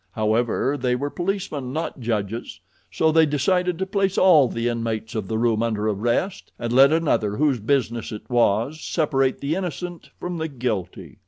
However, they were policemen, not judges, so they decided to place all the inmates of the room under arrest, and let another, whose business it was, separate the innocent from the guilty.